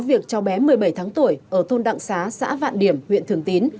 việc cháu bé một mươi bảy tháng tuổi ở thôn đặng xá xã vạn điểm huyện thường tín